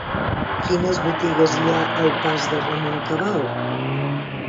Quines botigues hi ha al pas de Ramon Cabau?